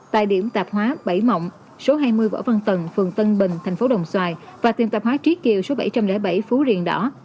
tại điểm tạp hóa bảy mộng số hai mươi võ văn tần phường tân bình thành phố đồng xoài và tiền tạp hóa trí kiều số bảy trăm linh bảy phú riêng đỏ